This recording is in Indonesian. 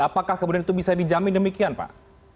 apakah kemudian itu bisa dijamin demikian pak